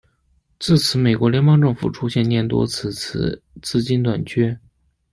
自此美国联邦政府出现廿多次次资金短缺。